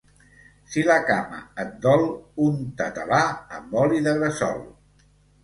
Si la cama et dol, unta-te-la amb oli de gresol.